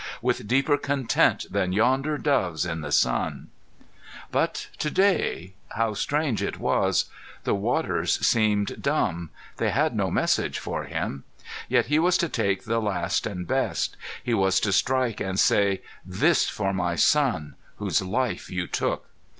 With deeper content than yonder doves in the sun!" But today how strange it was! The waters seemed dumb. They had no message for him. Yet he was to take the last and best. He was to strike, and say, "This for my son, whose life you took!"